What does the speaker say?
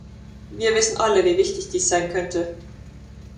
Wir wissen alle, wie wichtig dies sein könnte.